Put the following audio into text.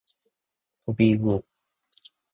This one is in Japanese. とびうお